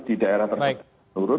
di daerah tersebut turun